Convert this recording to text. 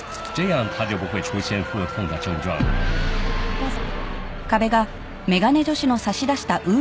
どうぞ